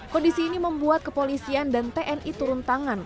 kondisi ini membuat kepolisian dan tni turun tangan